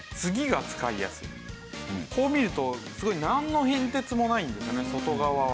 こう見るとすごいなんの変哲もないんですよね外側は。